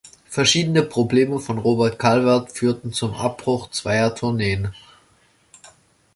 Verschiedene Probleme von Robert Calvert führten zum Abbruch zweier Tourneen.